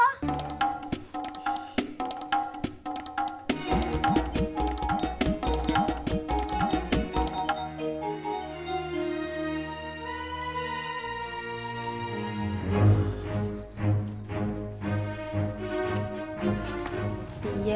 loh siapa itu